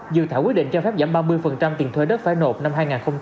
dự thảo quyết định cho phép giảm ba mươi tiền thuê đất phải nộp năm hai nghìn hai mươi